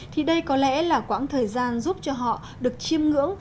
thì đây có lẽ là quãng thời gian giúp cho họ được chiêm ngưỡng